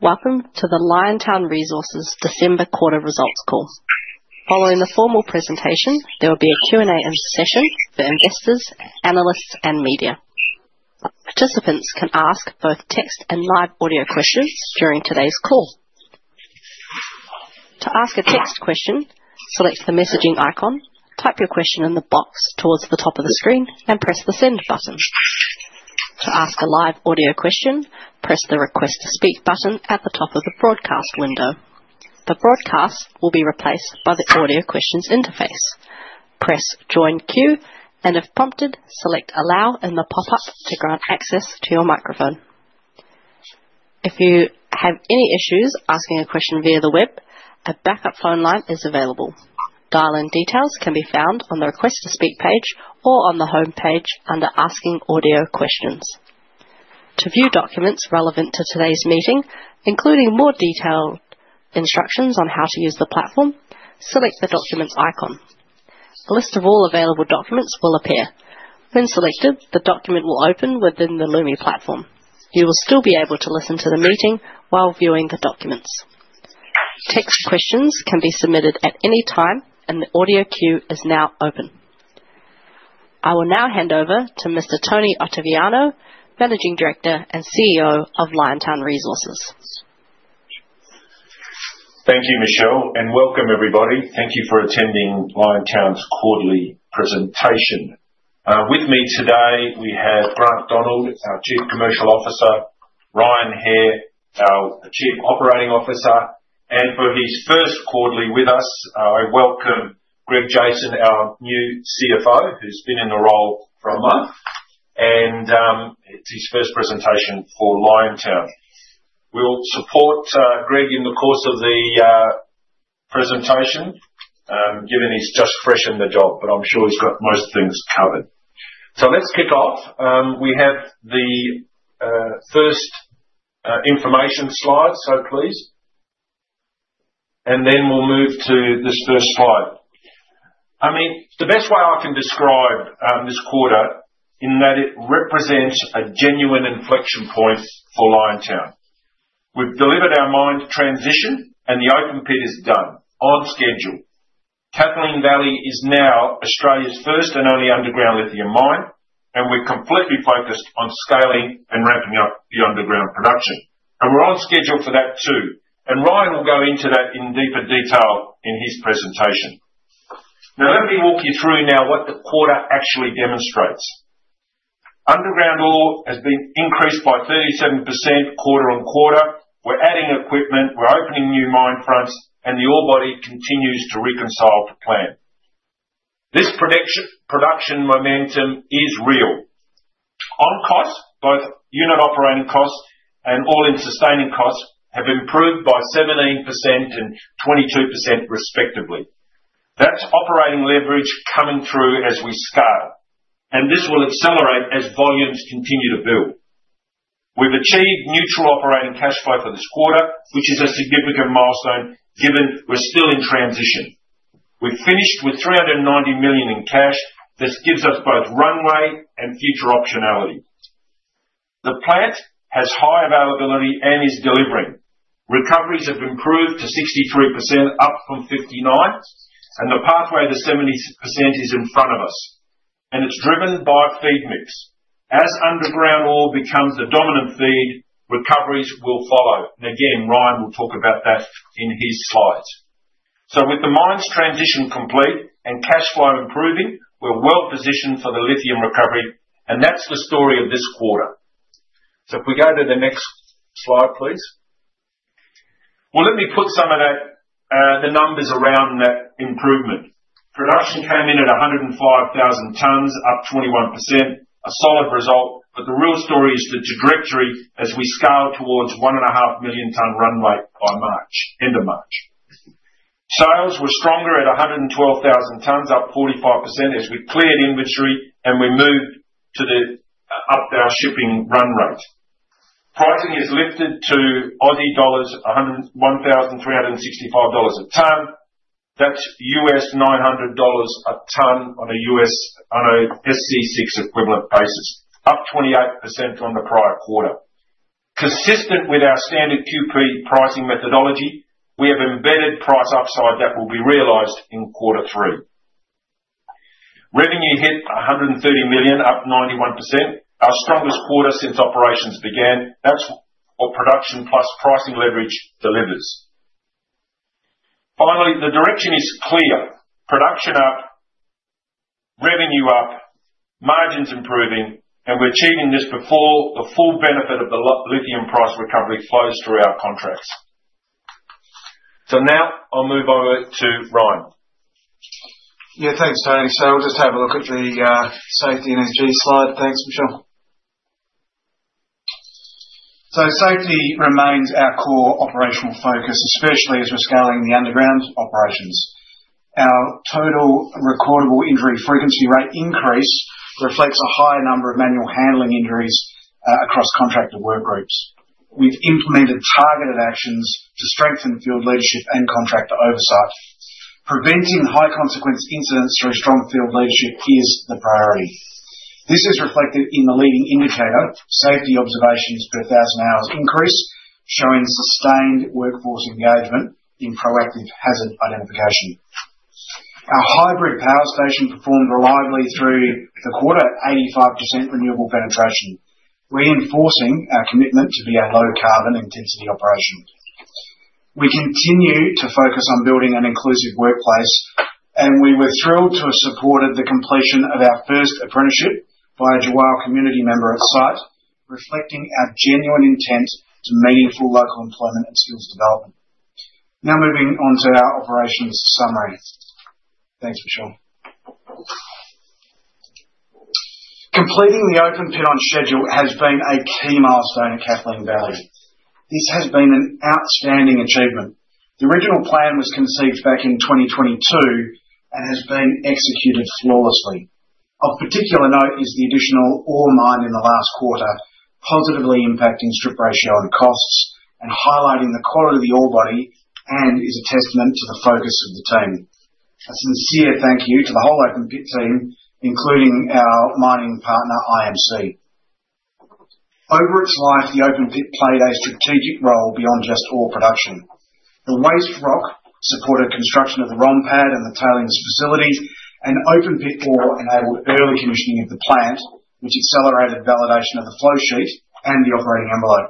Welcome to the Liontown Resources December quarter results call. Following the formal presentation, there will be a Q&A session for investors, analysts, and media. Participants can ask both text and live audio questions during today's call. To ask a text question, select the messaging icon, type your question in the box towards the top of the screen, and press the Send button. To ask a live audio question, press the Request to Speak button at the top of the broadcast window. The broadcast will be replaced by the Audio Questions interface. Press Join Queue, and if prompted, select Allow in the pop-up to grant access to your microphone. If you have any issues asking a question via the web, a backup phone line is available. Dial-in details can be found on the Request to Speak page or on the homepage under Asking Audio Questions. To view documents relevant to today's meeting, including more detailed instructions on how to use the platform, select the Documents icon. A list of all available documents will appear. When selected, the document will open within the Lumi platform. You will still be able to listen to the meeting while viewing the documents. Text questions can be submitted at any time, and the audio queue is now open. I will now hand over to Mr. Tony Ottaviano, Managing Director and CEO of Liontown Resources. Thank you, Michelle, and welcome, everybody. Thank you for attending Liontown's quarterly presentation. With me today, we have Grant Donald, our Chief Commercial Officer, Ryan Hair, our Chief Operating Officer, and for his first quarterly with us, I welcome Greg Jason, our new CFO, who's been in the role for a month, and, it's his first presentation for Liontown. We'll support, Greg, in the course of the presentation, given he's just fresh in the job, but I'm sure he's got most things covered. So let's kick off. We have the first information slide, so please. And then we'll move to this first slide. I mean, the best way I can describe this quarter, in that it represents a genuine inflection point for Liontown. We've delivered our mine transition, and the open pit is done on schedule. Kathleen Valley is now Australia's first and only underground lithium mine, and we're completely focused on scaling and ramping up the underground production. We're on schedule for that, too. Ryan will go into that in deeper detail in his presentation. Now, let me walk you through now what the quarter actually demonstrates. Underground ore has been increased by 37% quarter-over-quarter. We're adding equipment, we're opening new mine fronts, and the ore body continues to reconcile to plan. This production momentum is real. On cost, both unit operating cost and All-in Sustaining Costs have improved by 17% and 22%, respectively. That's operating leverage coming through as we scale, and this will accelerate as volumes continue to build. We've achieved neutral operating cash flow for this quarter, which is a significant milestone, given we're still in transition. We've finished with 390 million in cash. This gives us both runway and future optionality. The plant has high availability and is delivering. Recoveries have improved to 63%, up from 59%, and the pathway to 70% is in front of us, and it's driven by feed mix. As underground ore becomes the dominant feed, recoveries will follow. And again, Ryan will talk about that in his slides. So with the mine's transition complete and cash flow improving, we're well positioned for the lithium recovery, and that's the story of this quarter. So if we go to the next slide, please. Well, let me put some of that, the numbers around that improvement. Production came in at 105,000 tons, up 21%. A solid result, but the real story is the trajectory as we scale towards 1.5 million ton run rate by March, end of March. Sales were stronger at 112,000 tons, up 45%, as we cleared inventory and we moved to the up our shipping run rate. Pricing has lifted to Aussie dollars 1,365 a ton. That's $900 a ton on a SC6 equivalent basis, up 28% from the prior quarter. Consistent with our standard QP pricing methodology, we have embedded price upside that will be realized in quarter three. Revenue hit 130 million, up 91%, our strongest quarter since operations began. That's where production plus pricing leverage delivers. Finally, the direction is clear: production up, revenue up, margins improving, and we're achieving this before the full benefit of the lithium price recovery flows through our contracts. So now I'll move over to Ryan. Yeah, thanks, Tony. So we'll just have a look at the safety and ESG slide. Thanks, Michelle. So safety remains our core operational focus, especially as we're scaling the underground operations. Our Total Recordable Injury Frequency Rate increase reflects a higher number of manual handling injuries across contractor work groups. We've implemented targeted actions to strengthen field leadership and contractor oversight. Preventing high consequence incidents through strong field leadership is the priority. This is reflected in the leading indicator, safety observations per thousand hours increase, showing sustained workforce engagement in proactive hazard identification. Our hybrid power station performed reliably through the quarter, 85% renewable penetration, reinforcing our commitment to be a low carbon intensity operation. We continue to focus on building an inclusive workplace, and we were thrilled to have supported the completion of our first apprenticeship by a Tjiwarl community member at site, reflecting our genuine intent to meaningful local employment and skills development. Now moving on to our operations summary. Thanks, Michelle. Completing the open pit on schedule has been a key milestone at Kathleen Valley. This has been an outstanding achievement. The original plan was conceived back in 2022 and has been executed flawlessly. Of particular note is the additional ore mined in the last quarter, positively impacting strip ratio and costs, and highlighting the quality of the ore body, and is a testament to the focus of the team. A sincere thank you to the whole open pit team, including our mining partner, IMC. Over its life, the open pit played a strategic role beyond just ore production. The waste rock supported construction of the ROM pad and the tailings facilities, and open pit ore enabled early commissioning of the plant, which accelerated validation of the flow sheet and the operating envelope.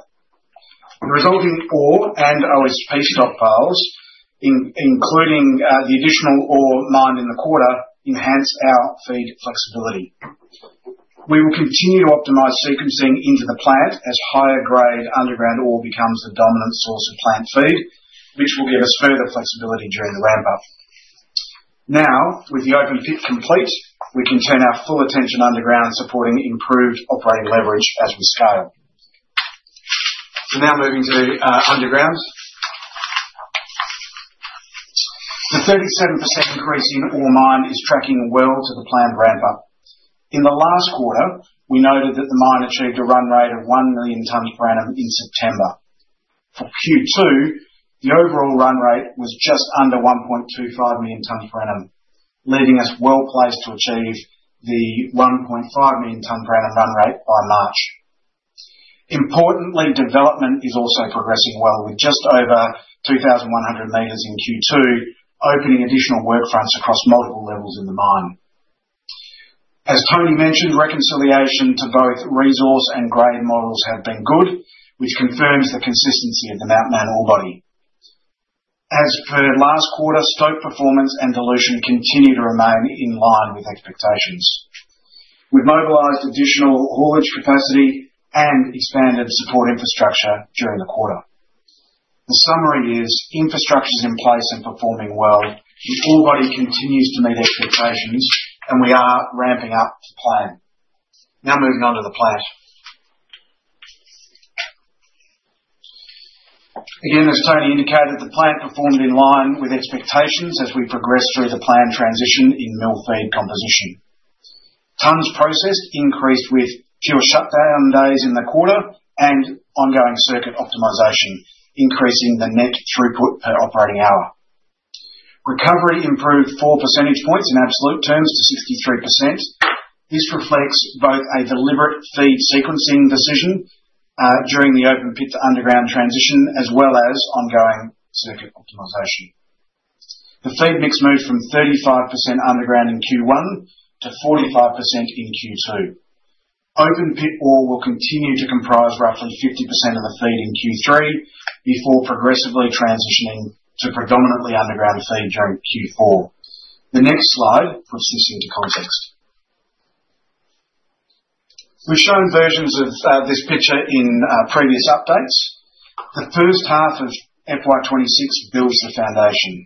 The resulting ore and OSP stockpiles, including the additional ore mined in the quarter, enhanced our feed flexibility. We will continue to optimize sequencing into the plant as higher grade underground ore becomes the dominant source of plant feed, which will give us further flexibility during the ramp up. Now, with the open pit complete, we can turn our full attention underground, supporting improved operating leverage as we scale. So now moving to the underground. The 37% increase in ore mined is tracking well to the planned ramp up. In the last quarter, we noted that the mine achieved a run rate of 1,000,000 tons per annum in September. For Q2, the overall run rate was just under 1,250,000 tons per annum, leaving us well placed to achieve the 1,500,000 ton per annum run rate by March. Importantly, development is also progressing well, with just over 2,100 meters in Q2, opening additional work fronts across multiple levels in the mine. As Tony mentioned, reconciliation to both resource and grade models have been good, which confirms the consistency of the Mt Mann ore body. As per last quarter, stope performance and dilution continue to remain in line with expectations. We've mobilized additional haulage capacity and expanded support infrastructure during the quarter. The summary is: infrastructure's in place and performing well, the ore body continues to meet expectations, and we are ramping up to plan. Now moving on to the plant. Again, as Tony indicated, the plant performed in line with expectations as we progress through the planned transition in mill feed composition. Tons processed increased with fewer shutdown days in the quarter and ongoing circuit optimization, increasing the net throughput per operating hour. Recovery improved 4 percentage points in absolute terms to 63%. This reflects both a deliberate feed sequencing decision during the open pit to underground transition, as well as ongoing circuit optimization. The feed mix moved from 35% underground in Q1 to 45% in Q2. Open pit ore will continue to comprise roughly 50% of the feed in Q3, before progressively transitioning to predominantly underground feed during Q4. The next slide puts this into context. We've shown versions of this picture in previous updates. The first half of FY 2026 builds the foundation.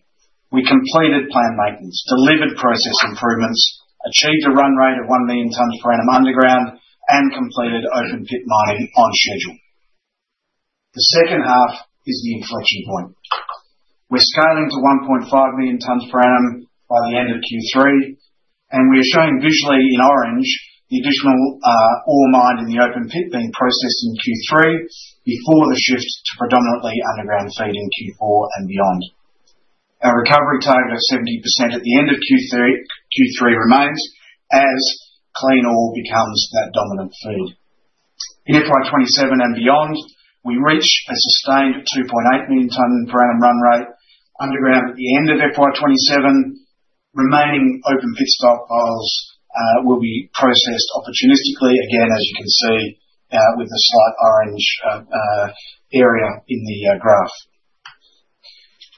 We completed plant maintenance, delivered process improvements, achieved a run rate of 1 million tons per annum underground, and completed open pit mining on schedule. The second half is the inflection point. We're scaling to 1.5 million tons per annum by the end of Q3, and we are showing visually in orange the additional ore mined in the open pit being processed in Q3 before the shift to predominantly underground feed in Q4 and beyond. Our recovery target of 70% at the end of Q3, Q3 remains as clean ore becomes that dominant feed. In FY 2027 and beyond, we reach a sustained 2.8 million ton per annum run rate underground at the end of FY 2027. Remaining open pit stock piles will be processed opportunistically, again, as you can see with the slight orange area in the graph.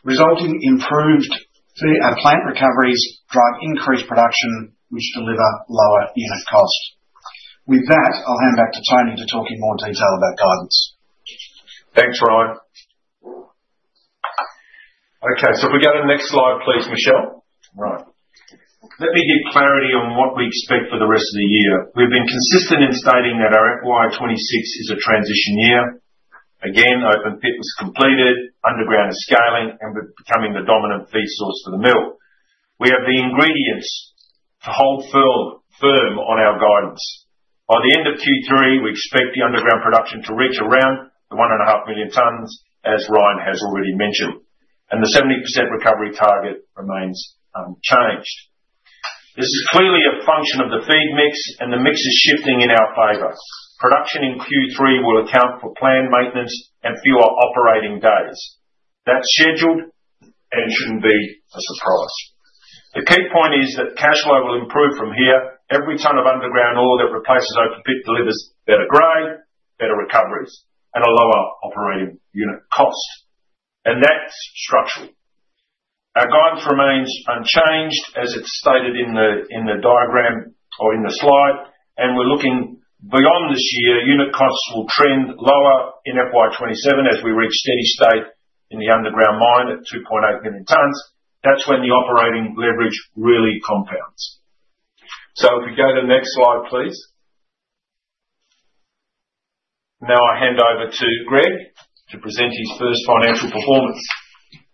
Resulting improved plant recoveries drive increased production, which deliver lower unit cost. With that, I'll hand back to Tony to talk in more detail about guidance. Thanks, Ryan. Okay, so if we go to the next slide, please, Michelle. Right. Let me give clarity on what we expect for the rest of the year. We've been consistent in stating that our FY 2026 is a transition year. Again, open pit was completed, underground is scaling, and we're becoming the dominant feed source for the mill. We have the ingredients to hold firm, firm on our guidance. By the end of Q3, we expect the underground production to reach around the 1.5 million tons, as Ryan has already mentioned, and the 70% recovery target remains unchanged. This is clearly a function of the feed mix, and the mix is shifting in our favor. Production in Q3 will account for planned maintenance and fewer operating days. That's scheduled and shouldn't be a surprise. The key point is that cash flow will improve from here. Every ton of underground ore that replaces open pit delivers better grade, better recoveries, and a lower operating unit cost. That's structural. Our guidance remains unchanged, as it's stated in the, in the diagram or in the slide, and we're looking beyond this year. Unit costs will trend lower in FY 2027 as we reach steady state in the underground mine at 2.8 million tons. That's when the operating leverage really compounds. So if we go to the next slide, please. Now I hand over to Greg to present his first financial performance.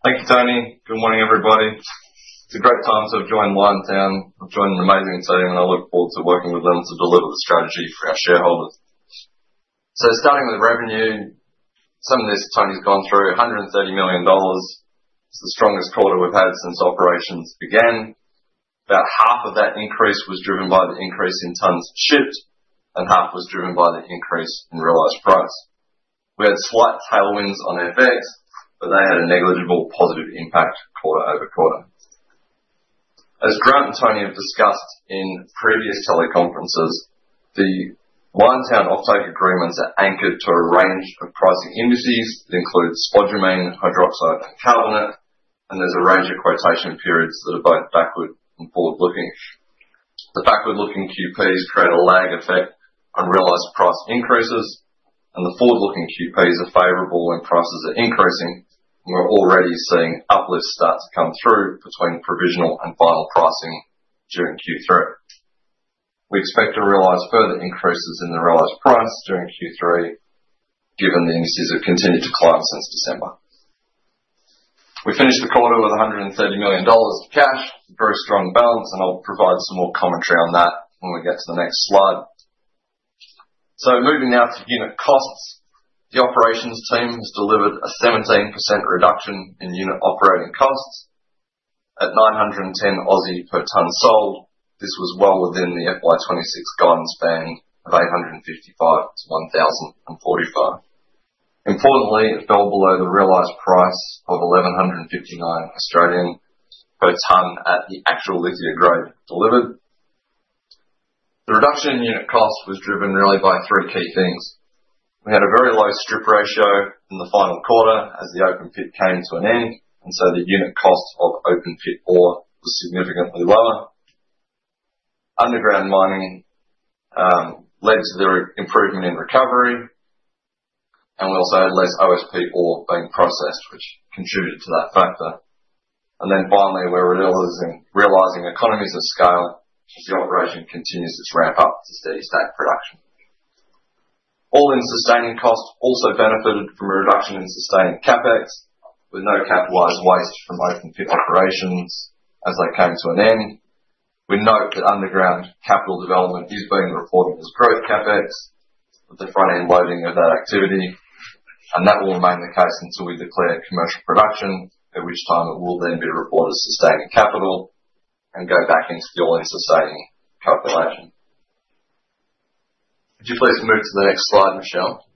Thank you, Tony. Good morning, everybody. It's a great time to have joined Liontown. I've joined an amazing team, and I look forward to working with them to deliver the strategy for our shareholders. Starting with revenue, some of this Tony's gone through, 130 million dollars. It's the strongest quarter we've had since operations began. About half of that increase was driven by the increase in tons shipped, and half was driven by the increase in realized price. We had slight tailwinds on FX, but they had a negligible positive impact quarter-over-quarter. As Grant and Tony have discussed in previous teleconferences, the Liontown offtake agreements are anchored to a range of pricing indices that include spodumene, hydroxide, and carbonate, and there's a range of quotation periods that are both backward- and forward-looking. The backward-looking QPs create a lag effect on realized price increases, and the forward-looking QPs are favorable when prices are increasing, and we're already seeing uplifts start to come through between provisional and final pricing during Q3. We expect to realize further increases in the realized price during Q3, given the indices have continued to climb since December. We finished the quarter with 130 million dollars of cash, very strong balance, and I'll provide some more commentary on that when we get to the next slide. Moving now to unit costs. The operations team has delivered a 17% reduction in unit operating costs at 910 AUD per ton sold. This was well within the FY 2026 guidance band of 855-1,045 AUD per ton. Importantly, it fell below the realized price of 1,159 per ton at the actual lithium grade delivered. The reduction in unit cost was driven really by three key things. We had a very low strip ratio in the final quarter as the open pit came to an end, and so the unit cost of open pit ore was significantly lower. Underground mining led to the improvement in recovery, and we also had less OSP ore being processed, which contributed to that factor. And then finally, we're realizing, realizing economies of scale as the operation continues its ramp up to steady state production. All-in sustaining costs also benefited from a reduction in sustaining CapEx, with no capitalized waste from open pit operations as they came to an end. We note that underground capital development is being reported as growth CapEx, with the front-end loading of that activity, and that will remain the case until we declare commercial production, at which time it will then be reported as sustaining capital and go back into the all-in sustaining calculation. Would you please move to the next slide, Michelle?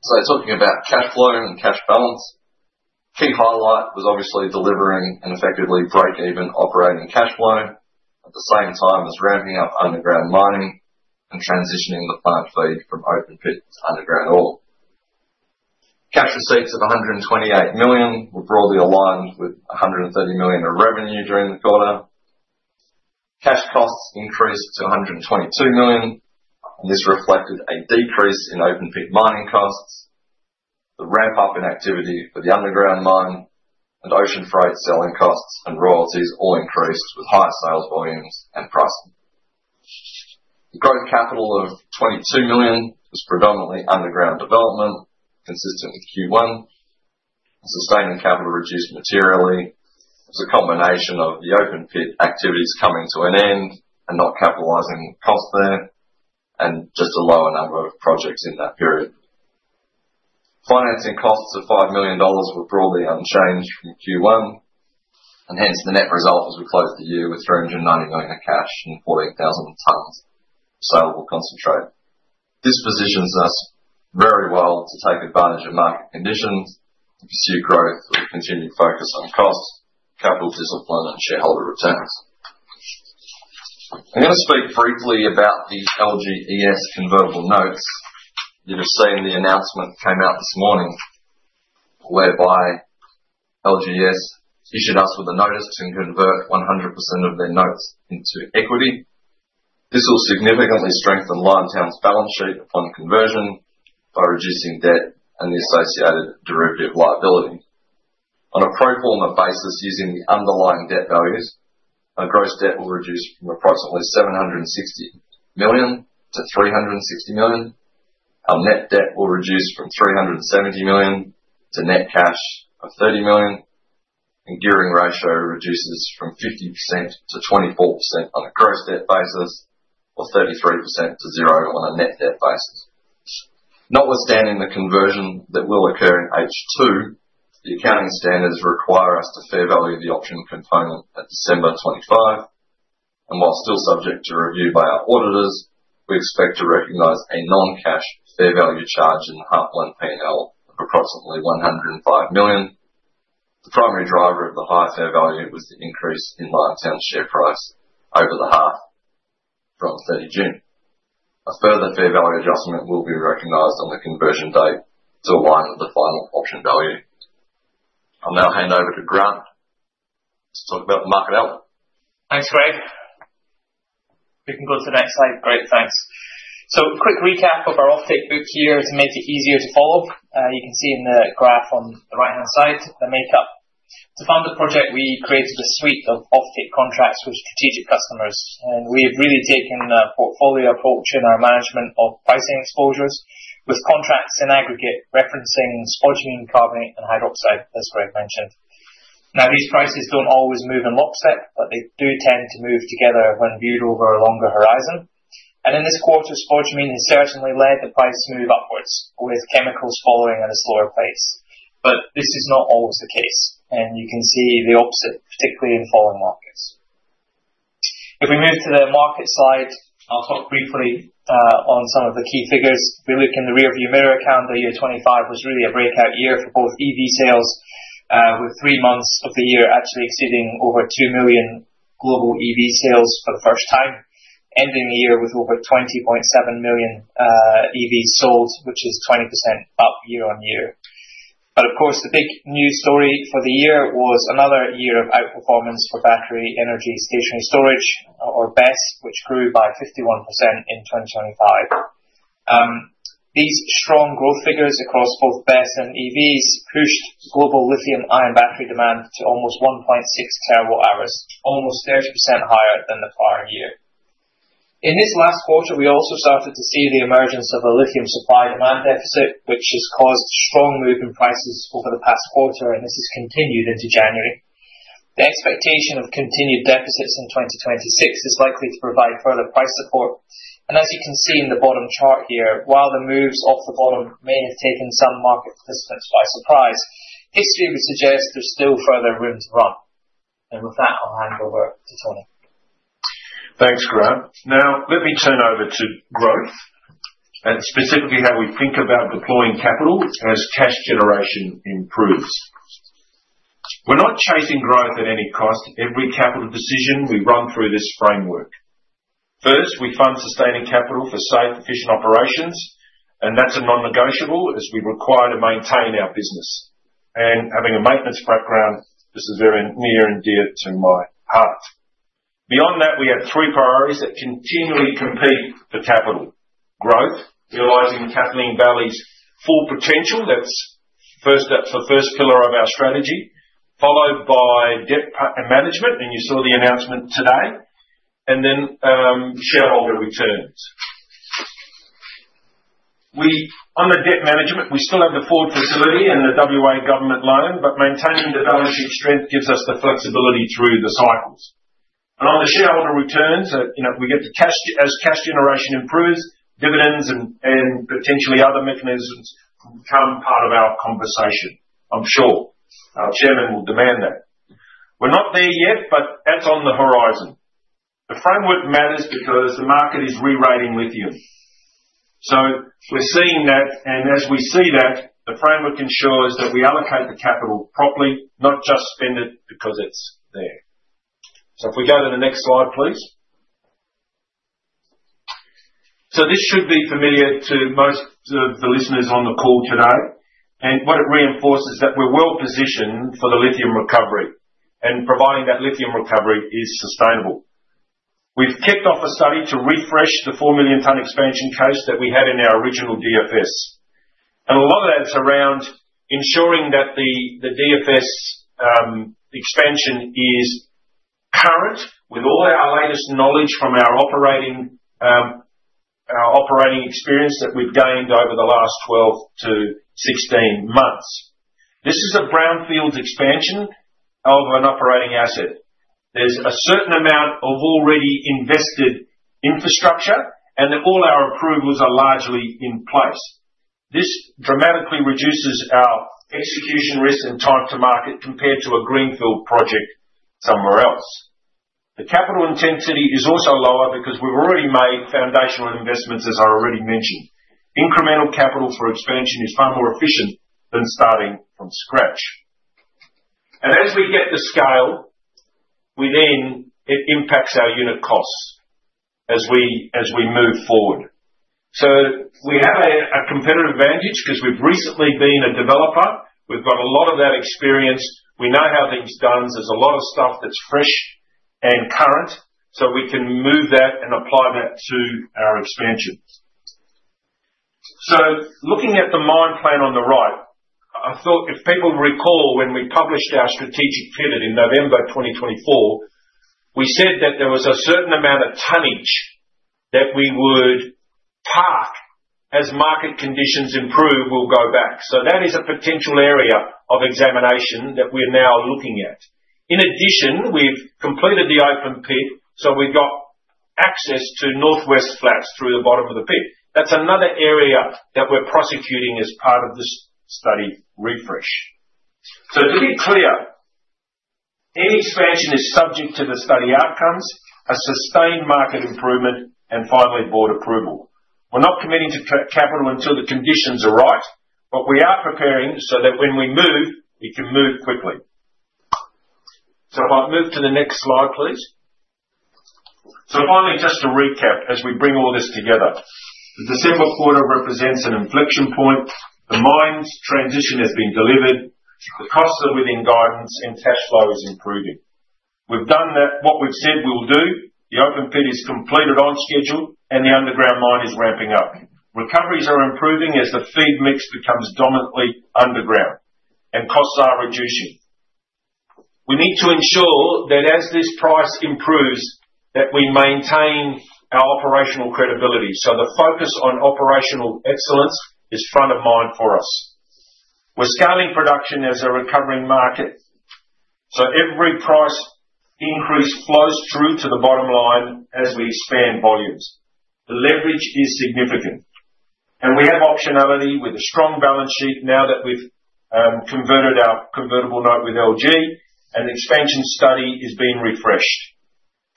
So talking about cash flow and cash balance, key highlight was obviously delivering an effectively break-even operating cash flow at the same time as ramping up underground mining and transitioning the plant feed from open pit to underground ore. Cash receipts of 128 million were broadly aligned with 130 million in revenue during the quarter. Cash costs increased to 122 million, and this reflected a decrease in open pit mining costs, the ramp-up in activity for the underground mine, and ocean freight, selling costs, and royalties all increased with higher sales volumes and pricing. The growth capital of 22 million was predominantly underground development, consistent with Q1. Sustaining capital reduced materially. It was a combination of the open pit activities coming to an end and not capitalizing the cost there, and just a lower number of projects in that period. Financing costs of 5 million dollars were broadly unchanged from Q1, and hence the net result as we closed the year with 390 million of cash and 48,000 tons of saleable concentrate. This positions us very well to take advantage of market conditions and pursue growth with a continued focus on cost, capital discipline, and shareholder returns. I'm going to speak briefly about the LGES convertible notes. You would have seen the announcement came out this morning, whereby LGES issued us with a notice to convert 100% of their notes into equity. This will significantly strengthen Liontown's balance sheet upon conversion by reducing debt and the associated derivative liability. On a pro forma basis, using the underlying debt values, our gross debt will reduce from approximately 760 million to 360 million. Our net debt will reduce from 370 million to net cash of 30 million, and gearing ratio reduces from 50% to 24% on a gross debt basis, or 33% to 0% on a net debt basis. Notwithstanding the conversion that will occur in H2, the accounting standards require us to fair value the option component at December 25, and while still subject to review by our auditors, we expect to recognize a non-cash fair value charge in the half one P&L of approximately 105 million. The primary driver of the high fair value was the increase in Liontown's share price over the half from June 30. A further fair value adjustment will be recognized on the conversion date to align with the final option value. I'll now hand over to Grant to talk about the market outlook. Thanks, Greg. We can go to the next slide. Great, thanks. So a quick recap of our off-take book here to make it easier to follow. You can see in the graph on the right-hand side, the makeup. To fund the project, we created a suite of off-take contracts with strategic customers, and we have really taken a portfolio approach in our management of pricing exposures, with contracts in aggregate referencing spodumene, carbonate, and hydroxide, as Greg mentioned. Now, these prices don't always move in lockstep, but they do tend to move together when viewed over a longer horizon. And in this quarter, spodumene has certainly led the price to move upwards, with chemicals following at a slower pace. But this is not always the case, and you can see the opposite, particularly in falling markets. If we move to the market slide, I'll talk briefly on some of the key figures. We look in the rearview mirror calendar year 2025 was really a breakout year for both EV sales with 3 months of the year actually exceeding over 2 million global EV sales for the first time, ending the year with over 20.7 million EVs sold, which is 20% up year-on-year. But of course, the big news story for the year was another year of outperformance for battery energy stationary storage, or BESS, which grew by 51% in 2025. These strong growth figures across both BESS and EVs pushed global lithium-ion battery demand to almost 1.6 TWh, almost 30% higher than the prior year. In this last quarter, we also started to see the emergence of a lithium supply-demand deficit, which has caused strong movement prices over the past quarter, and this has continued into January. The expectation of continued deficits in 2026 is likely to provide further price support, and as you can see in the bottom chart here, while the moves off the bottom may have taken some market participants by surprise, history would suggest there's still further room to run. With that, I'll hand over to Tony. Thanks, Grant. Now, let me turn over to growth, and specifically how we think about deploying capital as cash generation improves. We're not chasing growth at any cost. Every capital decision, we run through this framework. First, we fund sustaining capital for safe, efficient operations, and that's a non-negotiable, as we're required to maintain our business. And having a maintenance background, this is very near and dear to my heart. Beyond that, we have three priorities that continually compete for capital: growth, realizing Kathleen Valley's full potential, that's first up, the first pillar of our strategy. Followed by debt and management, and you saw the announcement today, and then, shareholder returns. On the debt management, we still have the Ford facility and the WA government loan, but maintaining the balance sheet strength gives us the flexibility through the cycles. On the shareholder returns, you know, we get to cash as cash generation improves, dividends and potentially other mechanisms become part of our conversation. I'm sure our chairman will demand that. We're not there yet, but that's on the horizon. The framework matters because the market is re-rating lithium, so we're seeing that, and as we see that, the framework ensures that we allocate the capital properly, not just spend it because it's there. So if we go to the next slide, please. So this should be familiar to most of the listeners on the call today, and what it reinforces is that we're well positioned for the lithium recovery, and providing that lithium recovery is sustainable. We've kicked off a study to refresh the 4 million ton expansion case that we had in our original DFS. A lot of that is around ensuring that the DFS expansion is current with all our latest knowledge from our operating experience that we've gained over the last 12-16 months. This is a brownfield expansion of an operating asset. There's a certain amount of already invested infrastructure, and that all our approvals are largely in place. This dramatically reduces our execution risk and time to market, compared to a greenfield project somewhere else. The capital intensity is also lower because we've already made foundational investments, as I already mentioned. Incremental capital for expansion is far more efficient than starting from scratch. As we get the scale, we then it impacts our unit costs as we move forward. So we have a competitive advantage, because we've recently been a developer. We've got a lot of that experience, we know how things are done. There's a lot of stuff that's fresh and current, so we can move that and apply that to our expansions. So looking at the mine plan on the right, I thought, if people recall, when we published our strategic pivot in November 2024. We said that there was a certain amount of tonnage that we would park, as market conditions improve, we'll go back. So that is a potential area of examination that we are now looking at. In addition, we've completed the open pit, so we've got access to Northwest Flats through the bottom of the pit. That's another area that we're prosecuting as part of this study refresh. So to be clear, any expansion is subject to the study outcomes, a sustained market improvement, and finally, board approval. We're not committing to capital until the conditions are right, but we are preparing so that when we move, we can move quickly. So if I move to the next slide, please. So finally, just to recap, as we bring all this together, the December quarter represents an inflection point. The mine's transition has been delivered, the costs are within guidance, and cash flow is improving. We've done that, what we've said we'll do. The open pit is completed on schedule, and the underground mine is ramping up. Recoveries are improving as the feed mix becomes dominantly underground, and costs are reducing. We need to ensure that as this price improves, that we maintain our operational credibility, so the focus on operational excellence is front of mind for us. We're scaling production as a recovering market, so every price increase flows through to the bottom line as we expand volumes. The leverage is significant, and we have optionality with a strong balance sheet now that we've converted our convertible note with LG, and the expansion study is being refreshed.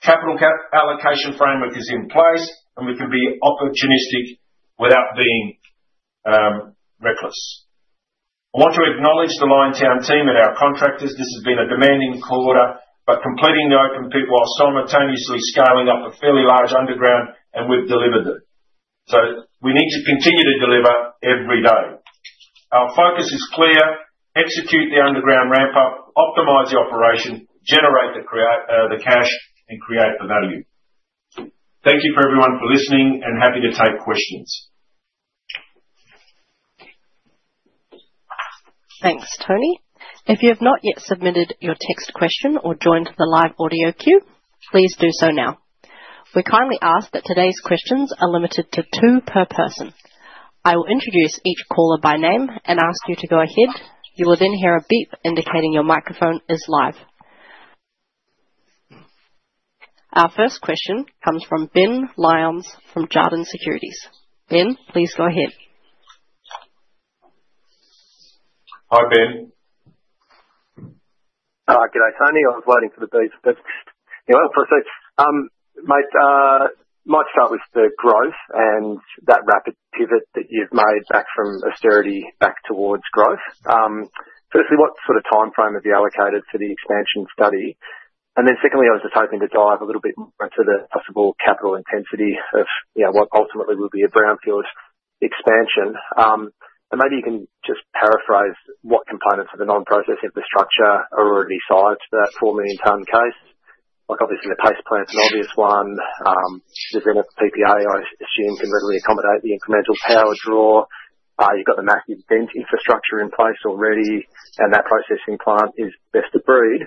Capital allocation framework is in place, and we can be opportunistic without being reckless. I want to acknowledge the Liontown team and our contractors. This has been a demanding quarter, but completing the open pit while simultaneously scaling up a fairly large underground, and we've delivered it. So we need to continue to deliver every day. Our focus is clear: execute the underground ramp up, optimize the operation, generate the cash, and create the value. Thank you for everyone for listening, and happy to take questions. Thanks, Tony. If you have not yet submitted your text question or joined the live audio queue, please do so now. We kindly ask that today's questions are limited to two per person. I will introduce each caller by name and ask you to go ahead. You will then hear a beep indicating your microphone is live. Our first question comes from Ben Lyons, from Jarden. Ben, please go ahead. Hi, Ben. G'day, Tony. I was waiting for the beep, but well, proceed. Mate, might start with the growth and that rapid pivot that you've made back from austerity back towards growth. Firstly, what sort of timeframe have you allocated to the expansion study? And then secondly, I was just hoping to dive a little bit more into the possible capital intensity of, you know, what ultimately will be a brownfields expansion. And maybe you can just paraphrase what components of the non-process infrastructure are already sized for that 4 million ton case. Like, obviously, the paste plant's an obvious one. The Zenith PPA, I assume, can readily accommodate the incremental power draw. You've got the massive vent infrastructure in place already, and that processing plant is best of breed.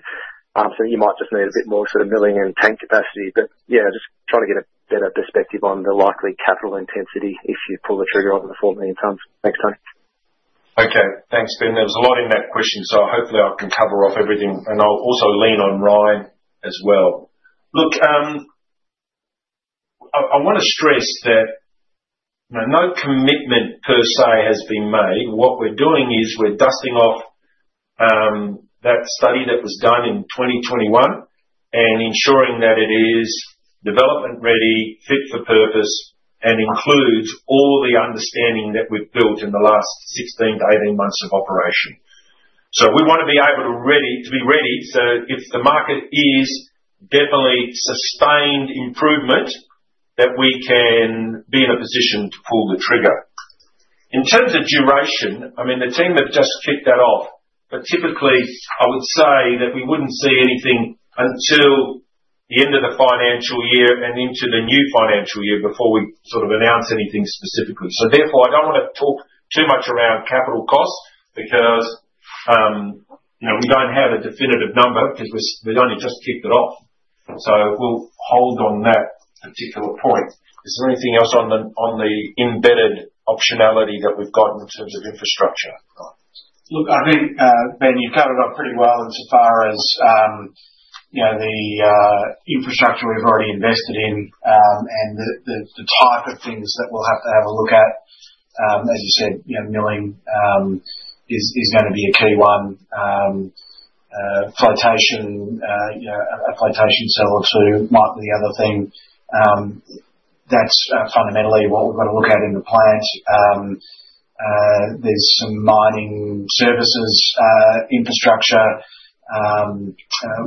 So, you might just need a bit more sort of milling and tank capacity, but yeah, just trying to get a better perspective on the likely capital intensity if you pull the trigger on the 4 million tons. Thanks, Tony. Okay. Thanks, Ben. There was a lot in that question, so hopefully I can cover off everything, and I'll also lean on Ryan as well. Look, I wanna stress that no commitment per se has been made. What we're doing is we're dusting off that study that was done in 2021, and ensuring that it is development-ready, fit for purpose, and includes all the understanding that we've built in the last 16 to 18 months of operation. So we want to be able to ready, to be ready, so if the market is definitely sustained improvement, that we can be in a position to pull the trigger. In terms of duration, I mean, the team have just kicked that off, but typically, I would say that we wouldn't see anything until the end of the financial year and into the new financial year before we sort of announce anything specifically. So therefore, I don't want to talk too much around capital costs, because, you know, we don't have a definitive number, because we've only just kicked it off. So we'll hold on that particular point. Is there anything else on the embedded optionality that we've got in terms of infrastructure? Look, I think, Ben, you covered it off pretty well in so far as, you know, the infrastructure we've already invested in, and the type of things that we'll have to have a look at. As you said, you know, milling is gonna be a key one. Flotation, you know, a flotation cell or two might be the other thing. That's fundamentally what we've got to look at in the plant. There's some mining services infrastructure,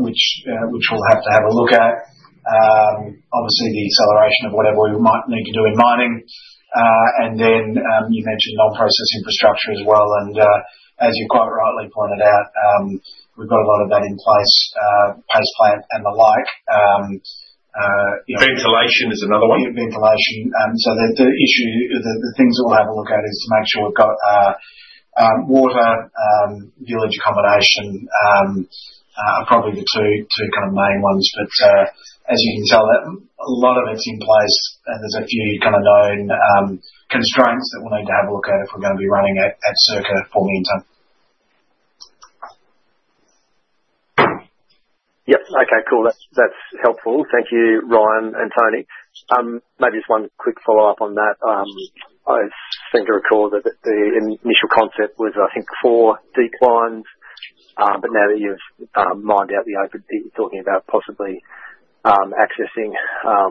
which we'll have to have a look at. Obviously, the acceleration of whatever we might need to do in mining. And then, you mentioned non-process infrastructure as well, and, as you quite rightly pointed out, we've got a lot of that in place, paste plant and the like. Ventilation is another one. Yeah, ventilation. So the issue, the things that we'll have a look at is to make sure we've got water, village accommodation are probably the two kind of main ones. But as you can tell, that a lot of it's in place, and there's a few kind of known constraints that we'll need to have a look at if we're gonna be running at circa 4 million tons. Yep. Okay, cool. That's, that's helpful. Thank you, Ryan and Tony. Maybe just one quick follow-up on that. I seem to recall that the initial concept was, I think, 4 declines, but now that you've mined out the open pit, you're talking about possibly accessing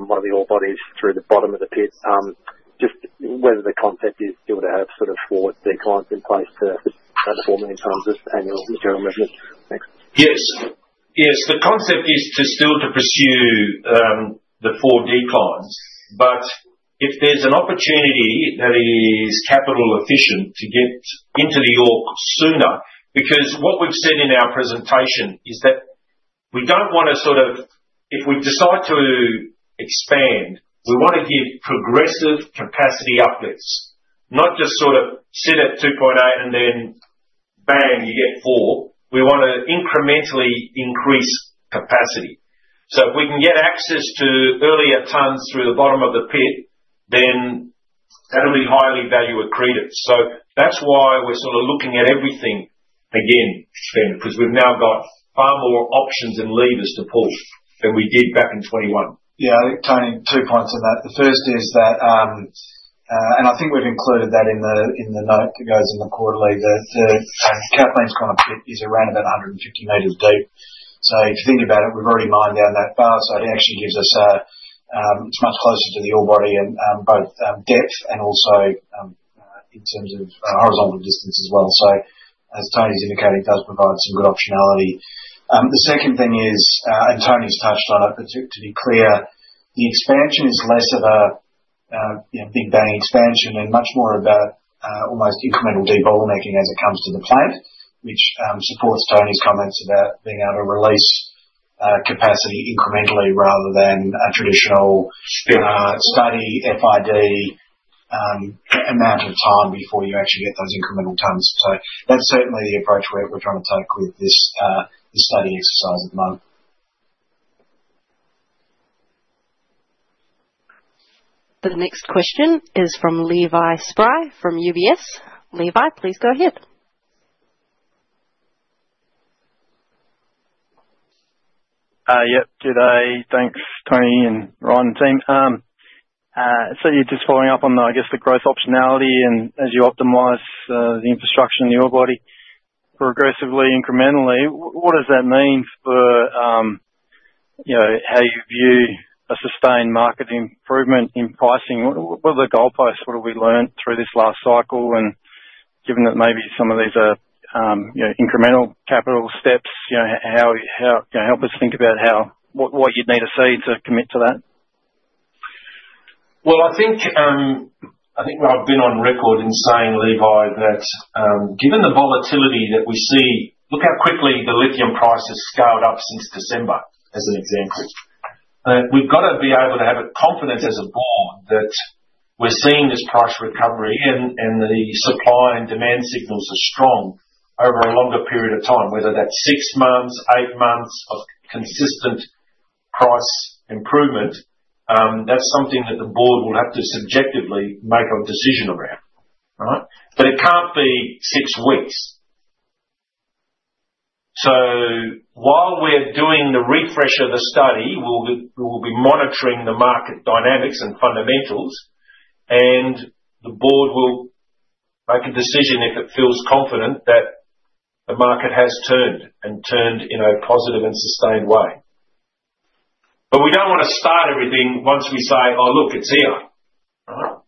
one of the ore bodies through the bottom of the pit. Just whether the concept is still to have sort of 4 declines in place to, at 4 million tons, just annual material measures? Thanks. Yes. Yes, the concept is to still pursue the four declines. But if there's an opportunity that is capital efficient to get into the ore sooner... Because what we've said in our presentation is that we don't want to sort of—if we decide to expand, we want to give progressive capacity uplifts, not just sort of sit at 2.8, and then bang, you get four. We want to incrementally increase capacity. So if we can get access to earlier tons through the bottom of the pit, then that'll be highly value accretive. So that's why we're sort of looking at everything again, Steven, because we've now got far more options and levers to pull than we did back in 2021. Yeah, Tony, two points on that. The first is that, and I think we've included that in the, in the note that goes in the quarterly, that the Kathleen's Corner pit is around about 150 meters deep. So if you think about it, we've already mined down that far, so it actually gives us a much closer to the ore body and depth and also in terms of horizontal distance as well. So as Tony's indicated, it does provide some good optionality. The second thing is, and Tony's touched on it, but to be clear, the expansion is less of a, a, you know, big bang expansion, and much more of a, almost incremental debottlenecking as it comes to the plant, which, supports Tony's comments about being able to release, capacity incrementally rather than a traditional, study FID, amount of time before you actually get those incremental tons. So that's certainly the approach we're trying to take with this, the study exercise at the moment. The next question is from Levi Spry, from UBS. Levi, please go ahead. Yep, good day. Thanks, Tony, and Ryan, team. So you're just following up on the, I guess, the growth optionality, and as you optimize the infrastructure in the ore body progressively, incrementally, what does that mean for, you know, how you view a sustained market improvement in pricing? What are the goalposts, what have we learned through this last cycle? And given that maybe some of these are, you know, incremental capital steps, you know, how, how, you know, help us think about how, what, what you'd need to see to commit to that. Well, I think, I think I've been on record in saying, Levi, that, given the volatility that we see, look how quickly the lithium price has scaled up since December, as an example. We've got to be able to have a confidence as a board, that we're seeing this price recovery, and, and the supply and demand signals are strong over a longer period of time, whether that's six months, eight months of consistent price improvement, that's something that the board will have to subjectively make a decision around. Right? But it can't be six weeks. So while we're doing the refresh of the study, we'll be, we'll be monitoring the market dynamics and fundamentals, and the board will make a decision if it feels confident that the market has turned, and turned in a positive and sustained way. But we don't want to start everything once we say: "Oh, look, it's here." Uh-huh.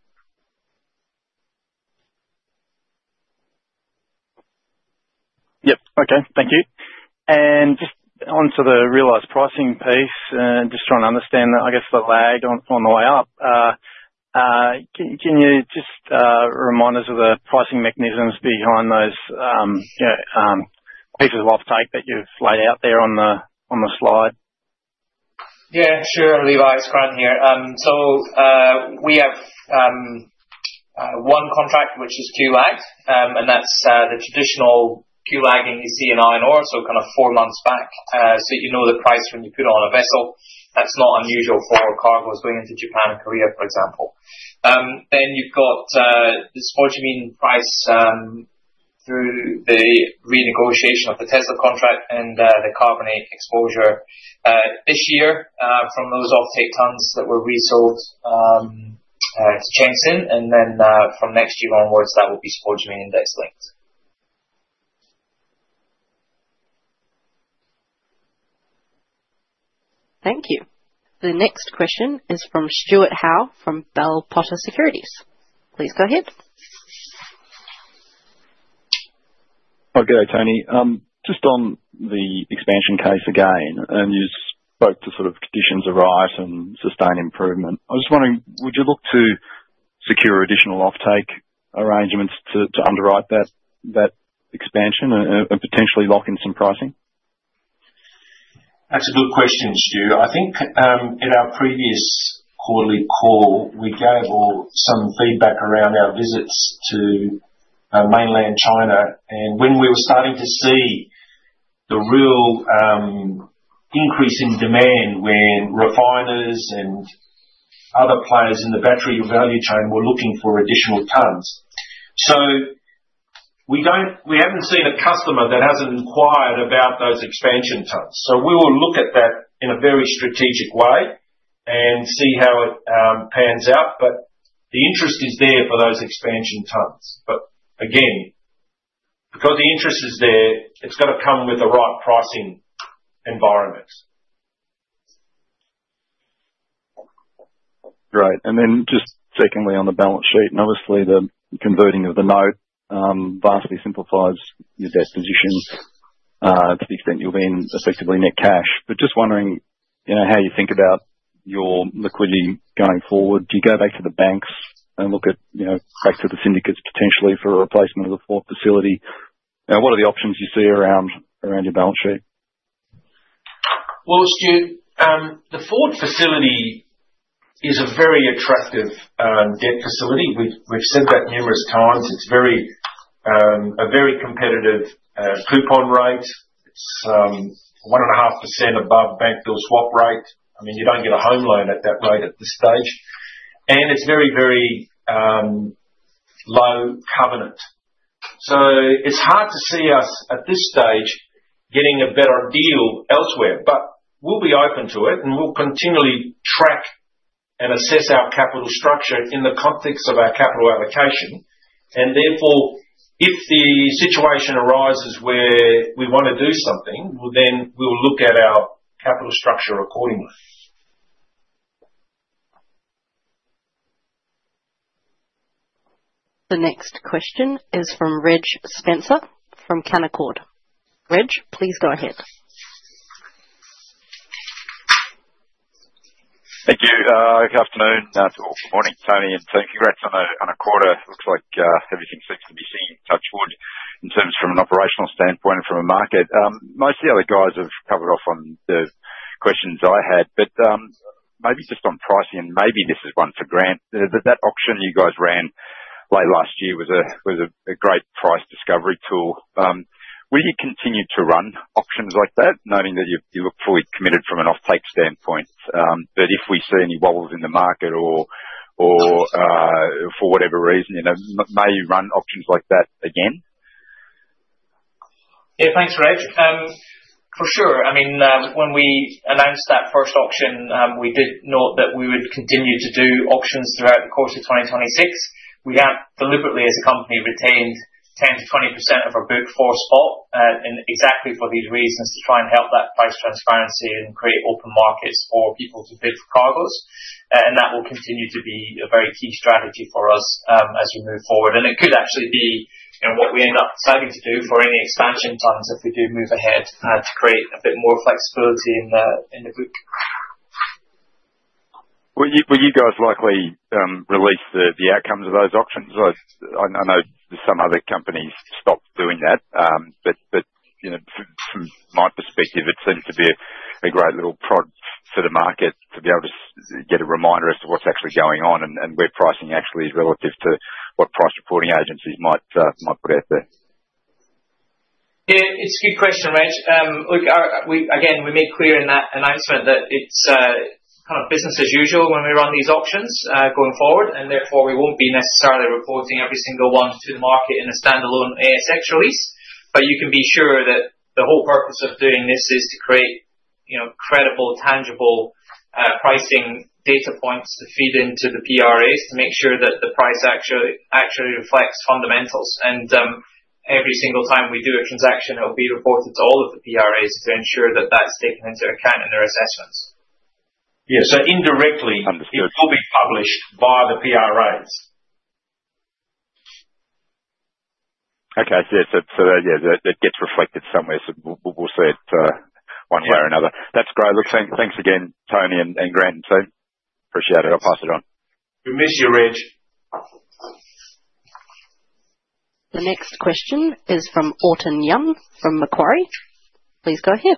Yep. Okay. Thank you. And just on to the realized pricing piece, just trying to understand, I guess, the lag on the way up. Can you just remind us of the pricing mechanisms behind those, you know, pieces of offtake that you've laid out there on the slide? Yeah, sure, Levi. It's Grant here. So, we have one contract, which is Q lag, and that's the traditional Q lagging you see in iron ore, so kind of four months back. So you know the price when you put it on a vessel. That's not unusual for cargoes going into Japan and Korea, for example. Then you've got the spot you mean price through the renegotiation of the Tesla contract and the carbonate exposure this year from those offtake tons that were resold to Jensen. And then from next year onwards, that will be spot index linked. Thank you. The next question is from Stuart Howe, from Bell Potter Securities. Please go ahead. Oh, good day, Tony. Just on the expansion case again, you spoke to sort of conditions arise and sustained improvement. I was just wondering, would you look to secure additional offtake arrangements to underwrite that expansion and potentially lock in some pricing? That's a good question, Stuart. I think, in our previous quarterly call, we gave some feedback around our visits to mainland China, and when we were starting to see the real increase in demand when refiners and other players in the battery value chain were looking for additional tons. So we haven't seen a customer that hasn't inquired about those expansion tons. So we will look at that in a very strategic way and see how it pans out. But the interest is there for those expansion tons. But again, because the interest is there, it's got to come with the right pricing environment. Right. And then just secondly, on the balance sheet, and obviously the converting of the note, vastly simplifies your debt position, to the extent you'll be in effectively net cash. But just wondering, you know, how you think about your liquidity going forward. Do you go back to the banks and look at, you know, back to the syndicates potentially for a replacement of the Ford facility? What are the options you see around your balance sheet? Well, Stuart, the Ford facility is a very attractive, debt facility. We've, we've said that numerous times. It's very, a very competitive, coupon rate. It's, 1.5% above Bank Bill Swap Rate. I mean, you don't get a home loan at that rate at this stage, and it's very, very, low covenant. So it's hard to see us, at this stage, getting a better deal elsewhere, but we'll be open to it, and we'll continually track and assess our capital structure in the context of our capital allocation. And therefore, if the situation arises where we want to do something, well, then we'll look at our capital structure accordingly. The next question is from Reg Spencer, from Canaccord. Reg, please go ahead. Thank you. Good afternoon to all. Good morning, Tony, and so congrats on a quarter. Looks like everything seems to be seeing touch wood in terms from an operational standpoint and from a market. Most of the other guys have covered off on the questions I had, but maybe just on pricing, and maybe this is one for Grant. That auction you guys ran late last year was a great price discovery tool. Will you continue to run auctions like that, knowing that you've you are fully committed from an offtake standpoint, but if we see any wobbles in the market or for whatever reason, you know, may you run auctions like that again? Yeah, thanks, Reg. For sure. I mean, when we announced that first auction, we did note that we would continue to do auctions throughout the course of 2026. We have deliberately, as a company, retained 10%-20% of our book for spot, and exactly for these reasons, to try and help that price transparency and create open markets for people to bid for cargoes. And that will continue to be a very key strategy for us, as we move forward. And it could actually be, you know, what we end up deciding to do for any expansion tons, if we do move ahead, to create a bit more flexibility in the, in the book. Will you guys likely release the outcomes of those auctions? Well, I know that some other companies stopped doing that, but you know, from my perspective, it seems to be a great little prod to the market to be able to get a reminder as to what's actually going on and where pricing actually is relative to what Price Reporting Agencies might put out there. Yeah, it's a good question, Reg. Look, we again made clear in that announcement that it's kind of business as usual when we run these auctions going forward, and therefore, we won't be necessarily reporting every single one to the market in a standalone ASX release. But you can be sure that the whole purpose of doing this is to create, you know, credible, tangible pricing data points to feed into the PRAs to make sure that the price actually, actually reflects fundamentals. And every single time we do a transaction, it will be reported to all of the PRAs to ensure that that's taken into account in their assessments. Yeah. So indirectly- Understood. It will be published via the PRAs. Okay. So, yeah, that gets reflected somewhere, so we'll see it one way or another. Sure. That's great. Look, thanks again, Tony and Grant, too. Appreciate it. I'll pass it on. We miss you, Reg. The next question is from Austin Yun, from Macquarie. Please go ahead.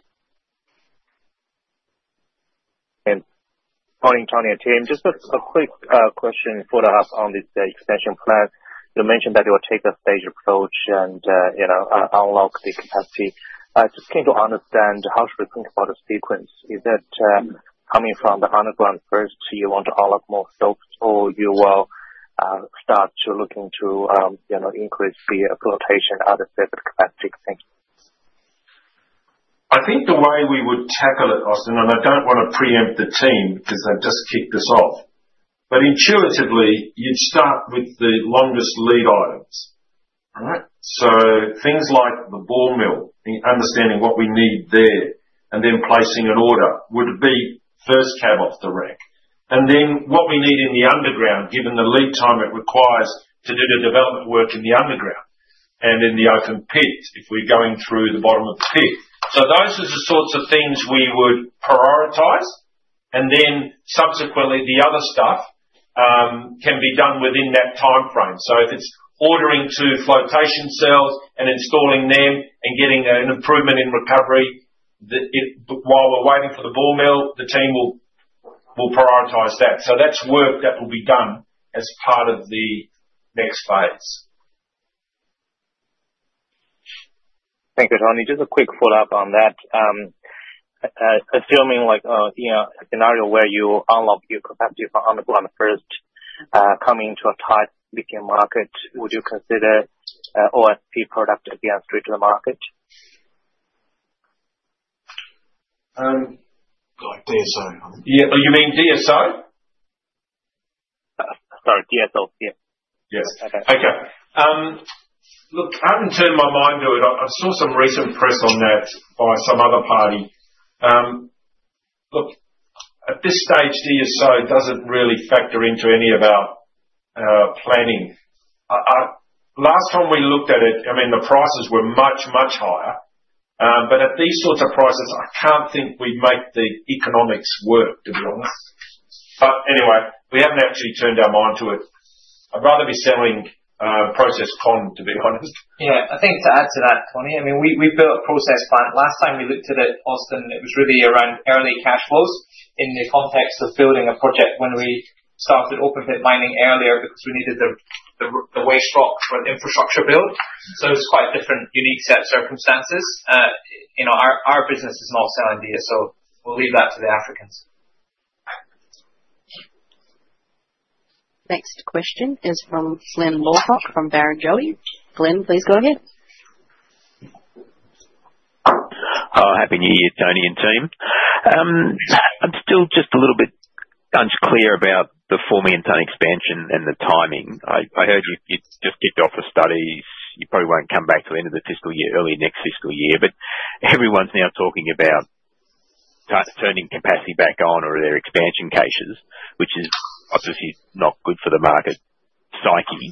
Morning, Tony and team. Just a quick question to follow up on the expansion plan. You mentioned that it will take a staged approach and, you know, unlock the capacity. I just came to understand: How should we think about a sequence? Is that coming from the underground first, you want to unlock more stocks, or you will start to looking to, you know, increase the flotation out of the capacity? Thank you. I think the way we would tackle it, Austin, and I don't want to preempt the team because they've just kicked us off, but intuitively, you'd start with the longest lead items. All right? So things like the ball mill, and understanding what we need there, and then placing an order, would be first cab off the rank. And then what we need in the underground, given the lead time it requires to do the development work in the underground... and in the open pit, if we're going through the bottom of the pit. So those are the sorts of things we would prioritize, and then subsequently, the other stuff, can be done within that timeframe. So if it's ordering 2 flotation cells and installing them and getting an improvement in recovery, it while we're waiting for the ball mill, the team will prioritize that. That's work that will be done as part of the next phase. Thank you, Tony. Just a quick follow-up on that. Assuming, like, you know, a scenario where you unlock your capacity for underground first, coming to a tight lithium market, would you consider OSP product again, straight to the market? Um- Like DSO. Yeah. Oh, you mean DSO? Sorry, DSO, yeah. Yes. Okay. Okay. Look, I haven't turned my mind to it. I saw some recent press on that by some other party. Look, at this stage, DSO doesn't really factor into any of our planning. Last time we looked at it, I mean, the prices were much, much higher. But at these sorts of prices, I can't think we'd make the economics work, to be honest. But anyway, we haven't actually turned our mind to it. I'd rather be selling processed con, to be honest. Yeah, I think to add to that, Tony, I mean, we built a process plant. Last time we looked at it, Austin, it was really around early cash flows in the context of building a project when we started open-pit mining earlier, because we needed the waste rock for an infrastructure build. So it's quite different, unique set of circumstances. You know, our business is not selling DSO. We'll leave that to the Africans. Next question is from Glyn Lawcock from Barrenjoey. Glyn, please go ahead. Oh, Happy New Year, Tony and team. I'm still just a little bit unclear about the front-end tonne expansion and the timing. I heard you just kicked off a study. You probably won't come back to the end of the fiscal year, early next fiscal year. But everyone's now talking about turning capacity back on or their expansion cases, which is obviously not good for the market psyche.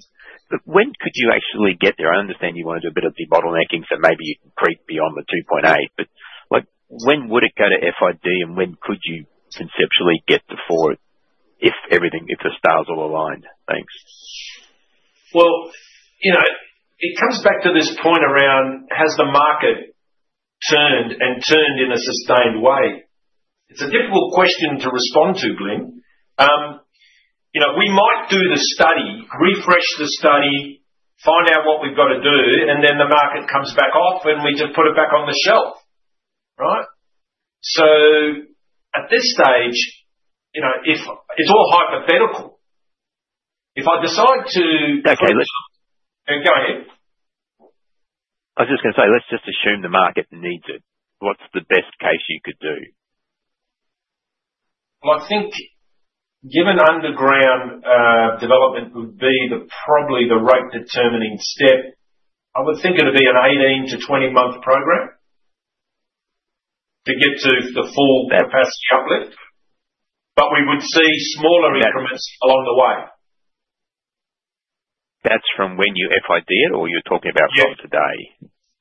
But when could you actually get there? I understand you want to do a bit of debottlenecking, so maybe you can creep beyond the 2.8, but, like, when would it go to FID, and when could you conceptually get the forward if everything, if the stars all aligned? Thanks. Well, you know, it comes back to this point around, has the market turned, and turned in a sustained way? It's a difficult question to respond to, Glyn. You know, we might do the study, refresh the study, find out what we've got to do, and then the market comes back off, and we just put it back on the shelf, right? So at this stage, you know, if... It's all hypothetical. If I decide to- Okay, let- Go ahead. I was just gonna say, let's just assume the market needs it. What's the best case you could do? Well, I think given underground development would be the, probably the rate-determining step, I would think it would be an 18- to 20-month program to get to the full capacity throughput. But we would see smaller increments along the way. That's from when you FID it, or you're talking about? Yes. -from today?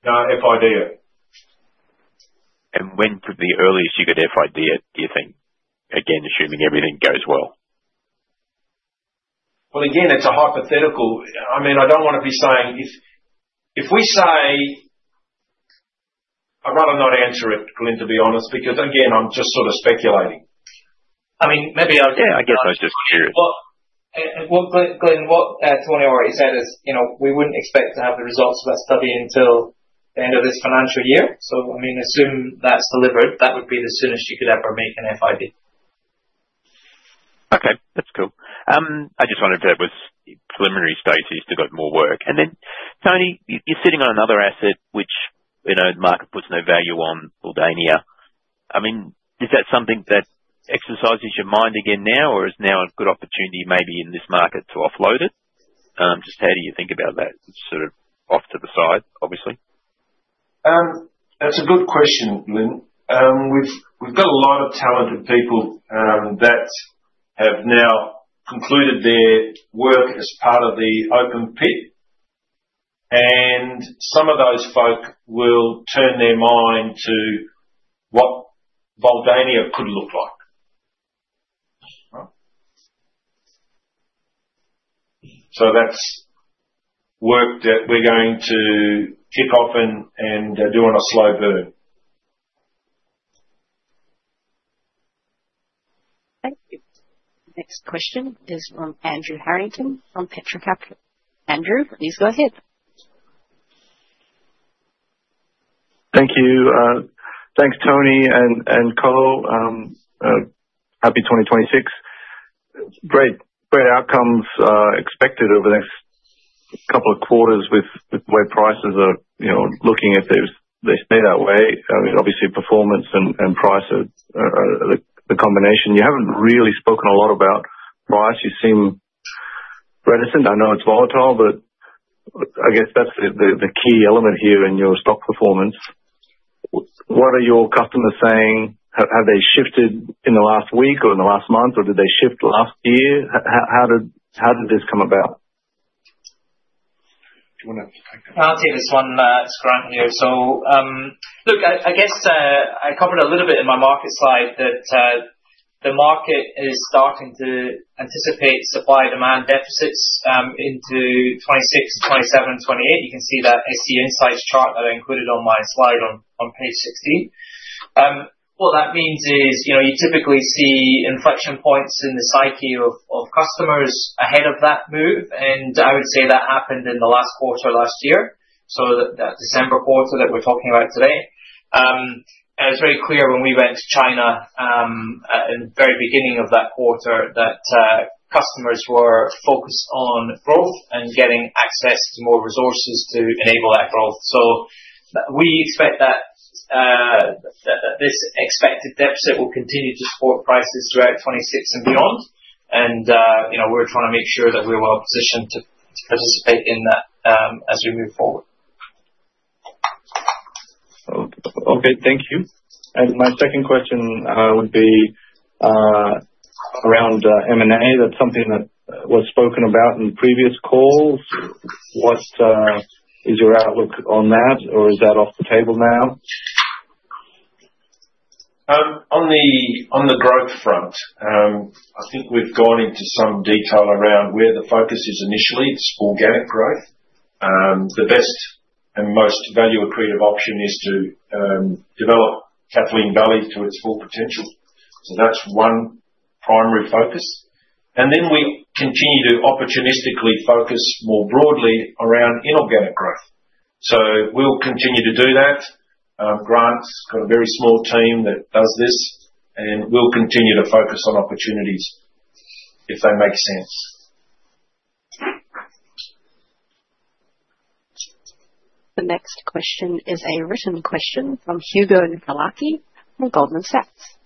No, FID it. When could be the earliest you could FID it, do you think? Again, assuming everything goes well. Well, again, it's a hypothetical. I mean, I don't want to be saying... If, if we say... I'd rather not answer it, Glenn, to be honest, because again, I'm just sort of speculating. I mean, maybe I'll- Yeah, I guess I just hear it. Well, well, Glyn, what Tony already said is, you know, we wouldn't expect to have the results of that study until the end of this financial year. So, I mean, assume that's delivered, that would be the soonest you could ever make an FID. Okay, that's cool. I just wondered if that was preliminary stages to get more work. And then, Tony, you, you're sitting on another asset, which, you know, the market puts no value on Buldania. I mean, is that something that exercises your mind again now, or is now a good opportunity, maybe in this market, to offload it? Just how do you think about that? It's sort of off to the side, obviously. That's a good question, Glyn. We've got a lot of talented people that have now concluded their work as part of the open pit, and some of those folk will turn their mind to what Buldania could look like. Right? So that's work that we're going to kick off and do on a slow burn. Thank you. Next question is from Andrew Harrington from Petra Capital. Andrew, please go ahead. Thank you. Thanks, Tony and Co. Happy 2026. Great, great outcomes expected over the next couple of quarters with where prices are, you know, looking if they stay that way. I mean, obviously, performance and price are the key element here in your stock performance. What are your customers saying? Have they shifted in the last week or in the last month, or did they shift last year? How did this come about? Do you wanna- I'll take this one. It's Grant here. So, look, I guess I covered a little bit in my market slide that the market is starting to anticipate supply-demand deficits into 2026, 2027, and 2028. You can see that IC Insights chart that I included on my slide on page 16. What that means is, you know, you typically see inflection points in the psyche of customers ahead of that move, and I would say that happened in the last quarter last year, so that December quarter that we're talking about today. And it's very clear when we went to China in the very beginning of that quarter, that customers were focused on growth and getting access to more resources to enable that growth. So we expect that this expected deficit will continue to support prices throughout 2026 and beyond. And, you know, we're trying to make sure that we're well positioned to participate in that, as we move forward. Okay, thank you. My second question would be around M&A. That's something that was spoken about in previous calls. What is your outlook on that, or is that off the table now? On the growth front, I think we've gone into some detail around where the focus is initially. It's organic growth. The best and most value-accretive option is to develop Kathleen Valley to its full potential, so that's one primary focus. And then we continue to opportunistically focus more broadly around inorganic growth. So we'll continue to do that. Grant's got a very small team that does this, and we'll continue to focus on opportunities if they make sense. The next question is a written question from Hugo Nicolaci from Goldman Sachs.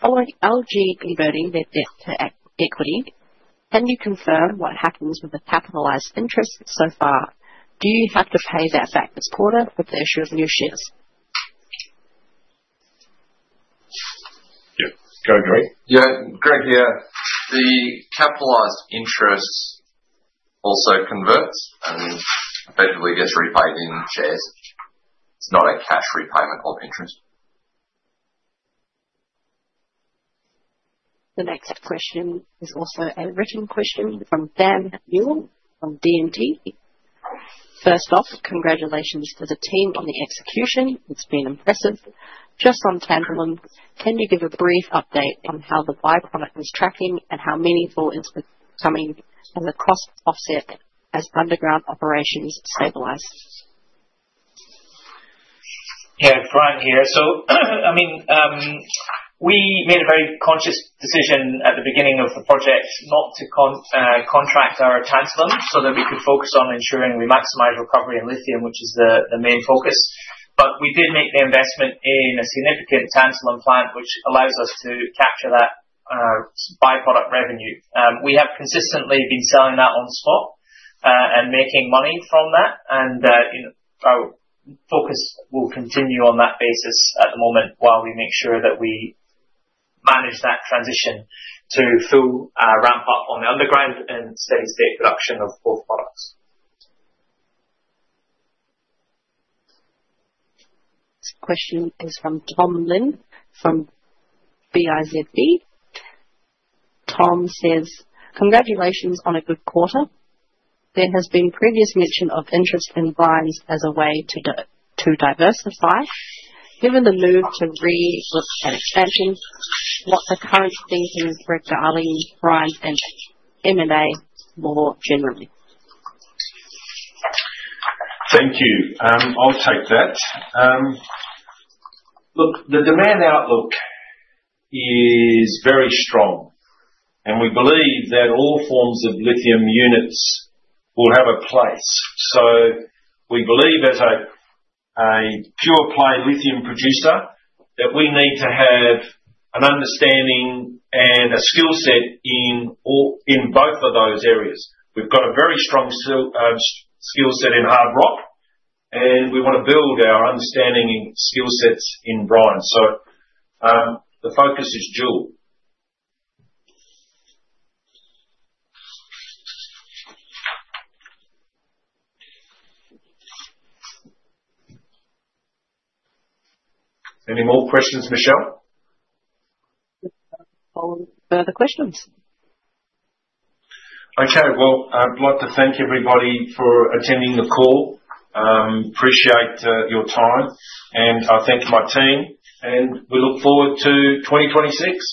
Following LG converting their debt to equity, can you confirm what happens with the capitalized interest so far? Do you have to pay that back this quarter with the issue of new shares? Yeah. Go, Greg. Yeah, Greg here. The capitalized interest also converts and effectively gets repaid in shares. It's not a cash repayment of interest. The next question is also a written question from Dan Newell from Datt Capital. First off, congratulations to the team on the execution. It's been impressive. Just on tantalum, can you give a brief update on how the byproduct is tracking and how meaningful it's becoming, and the cost offset as underground operations stabilize? Yeah, Grant here. So, I mean, we made a very conscious decision at the beginning of the project not to contract our tantalum so that we could focus on ensuring we maximize recovery and lithium, which is the main focus. But we did make the investment in a significant tantalum plant, which allows us to capture that byproduct revenue. We have consistently been selling that on the spot and making money from that. And, you know, our focus will continue on that basis at the moment, while we make sure that we manage that transition to full ramp up on the underground and steady state production of both products. This question is from Tom Lynn, from BIZB. Tom says: Congratulations on a good quarter. There has been previous mention of interest in brines as a way to diversify. Given the move to re-look at expansion, what's the current thinking regarding brines and M&A more generally? Thank you. I'll take that. Look, the demand outlook is very strong, and we believe that all forms of lithium units will have a place. So we believe, as a pure play lithium producer, that we need to have an understanding and a skill set in both of those areas. We've got a very strong skill set in hard rock, and we want to build our understanding and skill sets in brines. So, the focus is dual. Any more questions, Michelle? No further questions. Okay. Well, I'd like to thank everybody for attending the call. Appreciate your time, and I thank my team, and we look forward to 2026.